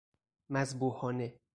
مذبوحانه